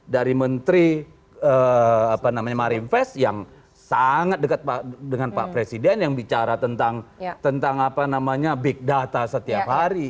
dari menteri marinvest yang sangat dekat dengan pak presiden yang bicara tentang big data setiap hari